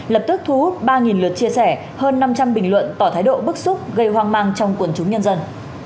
lập tức thu hút ba lượt chia sẻ hơn năm trăm linh bình luận tỏ thái độ bức xúc gây hoang mang trong quần chúng nhân dân